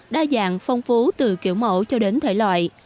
đa dạng phong phú từ kiểu mẫu cho đến thể loại